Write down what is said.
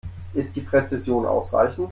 Ist die Präzision ausreichend?